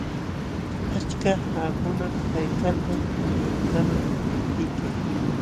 Achka qaqakunam kaykalkan yunkaman liptiyki.